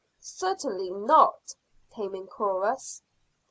"Certainly not," came in chorus.